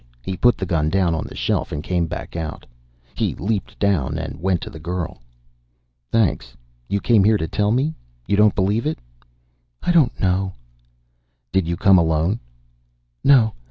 He put the gun down on the shelf and came back out. He leaped down and went to the girl. "Thanks. You came here to tell me? You don't believe it?" "I don't know." "Did you come alone?" "No.